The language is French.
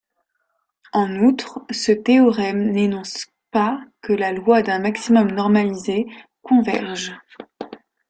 En outre, ce théorème n'énonce pas que la loi d'un maximum normalisé converge.